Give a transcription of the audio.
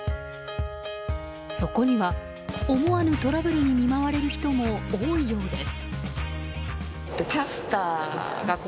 そこには思わぬトラブルに見舞われる人も多いようです。